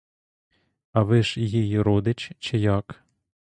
А ви ж їй родич, чи як?